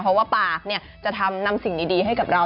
เพราะว่าปากจะทำนำสิ่งดีให้กับเรา